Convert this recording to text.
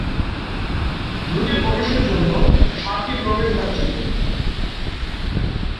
দুর্গে প্রবেশের জন্য সাতটি প্রবেশদ্বার ছিল।